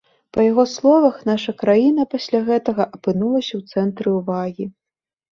Па яго словах, наша краіна пасля гэтага апынулася ў цэнтры ўвагі.